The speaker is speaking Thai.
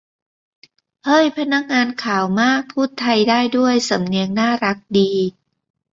เฮ้ย พนักงานขาวมากพูดไทยได้ด้วย สำเนียงน่ารักดี